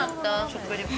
食リポ。